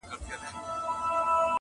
په ژبه خپل په هدیره او په وطن به خپل وي-